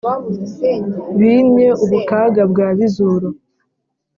bimye ubukaga bwa bizuru